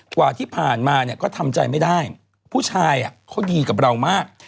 กว่าที่ผ่านมาเนี่ยก็ทำใจไม่ได้ผู้ชายเขาดีกับเรามาก